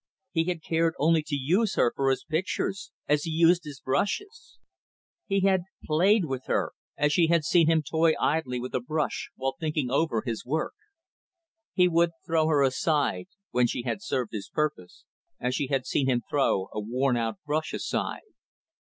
He had cared only to use her for his pictures as he used his brushes. He had played with her as she had seen him toy idly with a brush, while thinking over his work. He would throw her aside, when she had served his purpose, as she had seen him throw a worn out brush aside.